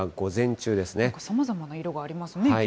なんかさまざまな色がありま